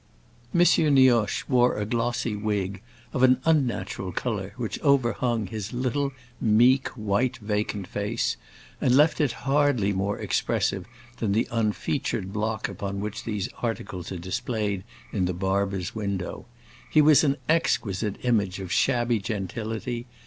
M. Nioche wore a glossy wig, of an unnatural color which overhung his little meek, white, vacant face, and left it hardly more expressive than the unfeatured block upon which these articles are displayed in the barber's window. He was an exquisite image of shabby gentility.